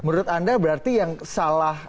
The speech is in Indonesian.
menurut anda berarti yang salah